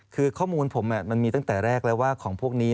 คือข้อมูลผมมันมีตั้งแต่แรกแล้วว่าของพวกนี้